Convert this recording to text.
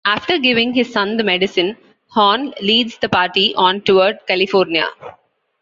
After giving his son the medicine, Horn leads the party on toward California.